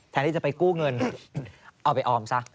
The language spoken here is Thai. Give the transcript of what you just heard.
ที่จะไปกู้เงินเอาไปออมซะ